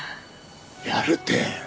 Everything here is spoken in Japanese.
やるって。